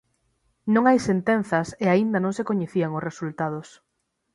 Non hai sentenzas e aínda non se coñecían os resultados.